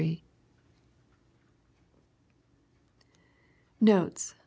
Notes.